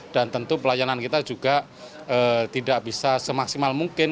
dan tentu pelayanan kita juga tidak bisa semaksimal mungkin